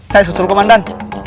saya susul komandan